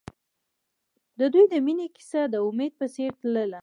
د دوی د مینې کیسه د امید په څېر تلله.